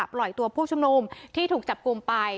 ปล่อยตัวผู้ชุมนุมที่ถูกจับกลุ่มไป